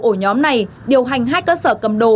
ổ nhóm này điều hành hai cơ sở cầm đồ